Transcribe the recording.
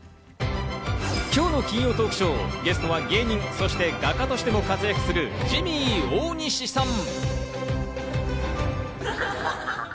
今日の金曜トークショー、ゲストは芸人、そして画家としても活躍するジミー大西さん。